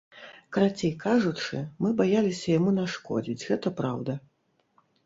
Карацей кажучы, мы баяліся яму нашкодзіць, гэта праўда!